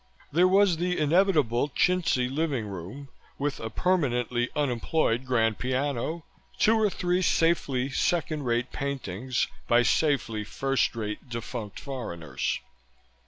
There was the inevitable chintzy living room, with a permanently unemployed grand piano, two or three safely second rate paintings by safely first rate defunct foreigners.